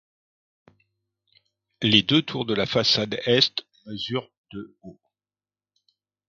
Les deux tours de la façade est mesurent de haut.